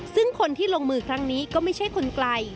ซึ่งคนที่ลงมือครั้งนี้ก็ไม่ใช่คนไกล